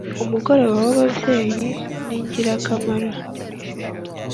Umugoroba waba byeyi ningirakamaro